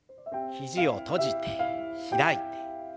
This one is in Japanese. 肘を閉じて開いて。